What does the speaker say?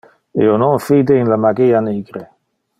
Io non fide in le magia nigre.